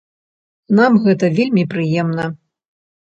Нам гэта вельмі прыемна.